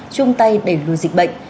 trung tay đẩy lùi dịch bệnh